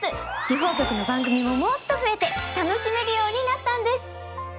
地方局の番組ももっと増えて楽しめるようになったんです。